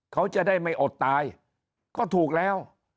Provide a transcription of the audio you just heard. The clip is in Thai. เขาจะได้ไม่อดตายก็ถูกแล้ว